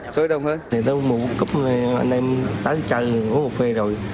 từ mùa ôn cấp anh em tái chơi ngủ một phê rồi